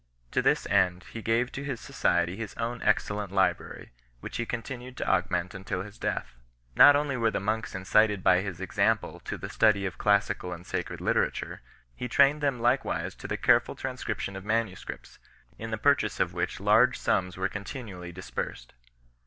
To this end he gave to his society his own excellent library, which he continued to augment until his death 3 . Not only were the monks incited by his example to the study of classical and sacred literature; he trained them likewise to the careful tran scription of manuscripts, in the purchase of which large sums were continually disbursed.